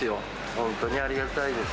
本当にありがたいです。